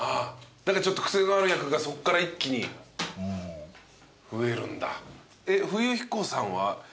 ちょっと癖のある役がそこから一気に増えるんだ。